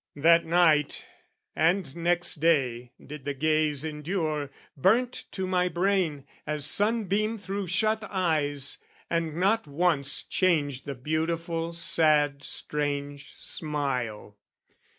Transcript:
That night and next day did the gaze endure, Burnt to my brain, as sunbeam thro' shut eyes, And not once changed the beautiful sad strange smile.